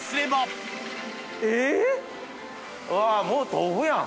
わもう豆腐やん。